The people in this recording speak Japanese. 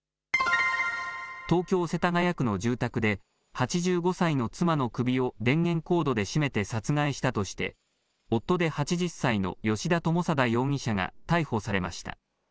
東京・世田谷区の住宅で、８５歳の妻の首を電源コードで絞めて殺害したとして、夫で８０歳の吉田友貞容疑者が逮捕されました。